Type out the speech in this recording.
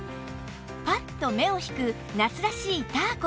ぱっと目を引く夏らしいターコイズ